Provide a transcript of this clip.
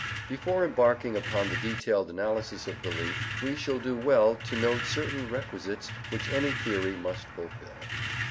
Before embarking upon the detailed analysis of belief, we shall do well to note certain requisites which any theory must fulfil.